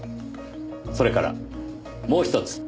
それからもうひとつ。